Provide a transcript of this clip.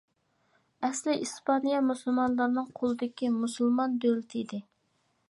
ئەسلى ئىسپانىيە مۇسۇلمانلارنىڭ قولىدىكى مۇسۇلمان دۆلىتى ئىدى.